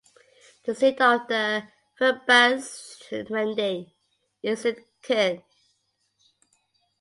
The seat of the "Verbandsgemeinde" is in Kirn.